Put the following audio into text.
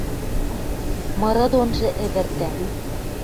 Мыры донжы ӹвӹртӓ: